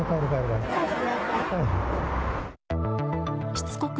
しつこく